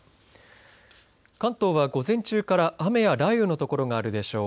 関東は午前中から、雨や雷雨のところがあるでしょう。